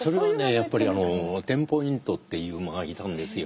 やっぱりテンポイントっていう馬がいたんですよ。